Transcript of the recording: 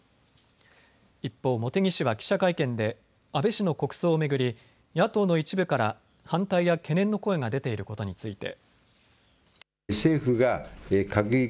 一方、茂木氏は記者会見で安倍氏の国葬を巡り野党の一部から反対や懸念の声が出ていることについて。